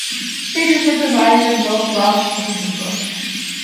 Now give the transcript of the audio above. Pages were provided in both Welsh and English.